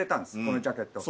このジャケット。